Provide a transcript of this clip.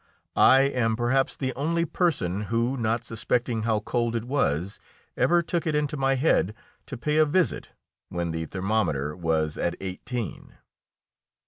I am perhaps the only person who, not suspecting how cold it was, ever took it into my head to pay a visit when the thermometer was at eighteen.